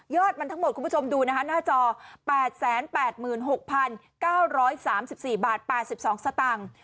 มันทั้งหมดคุณผู้ชมดูนะคะหน้าจอ๘๘๖๙๓๔บาท๘๒สตางค์